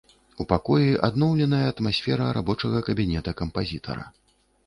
У пакоі адноўленая атмасфера рабочага кабінета кампазітара.